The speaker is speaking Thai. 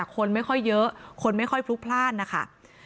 คนไม่ค่อยเยอะคนไม่ค่อยพลุกพลาดนะคะ